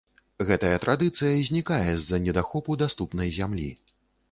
Гэтая традыцыя знікае з-за недахопу даступнай зямлі.